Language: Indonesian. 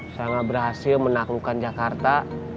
saya berhasil menaklukkan jakarta